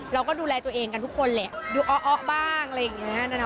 เราก็ดูแลตัวเองกันทุกคนแหละดูอ๊อะบ้างอะไรอย่างนี้นะ